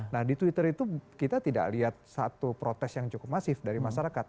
nah di twitter itu kita tidak lihat satu protes yang cukup masif dari masyarakat